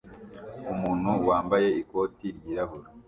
Umuntu wambaye ikoti ryirabura